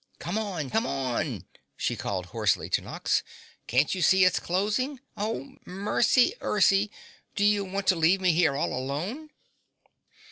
"Come on! Come on!" she called hoarsely to Nox. "Can't you see it's closing? Oh mercy ercy, do you want to leave me here all alone?"